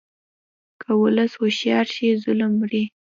که ولس هوښیار شي، ظلم مري.